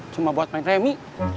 cuma buat main remi